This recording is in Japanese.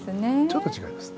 ちょっと違います。